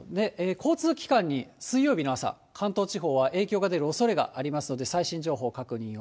交通機関に水曜日の朝、関東地方は影響が出るおそれがありますので、最新情報、確認を。